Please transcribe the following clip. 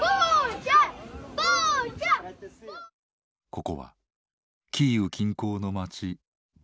ここはキーウ近郊の街ブチャ。